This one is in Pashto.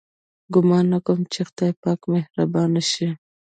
ګومان نه کوم چې خدای پاک مهربانه شي.